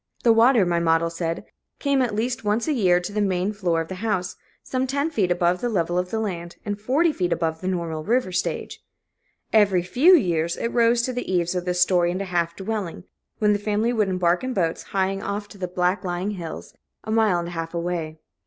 The water, my model said, came at least once a year to the main floor of the house, some ten feet above the level of the land, and forty feet above the normal river stage; "every few years" it rose to the eaves of this story and a half dwelling, when the family would embark in boats, hieing off to the back lying hills, a mile and a half away.